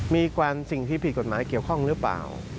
มีความสิ่งที่ผิดกฎหมายเกี่ยวข้องหรือเปล่า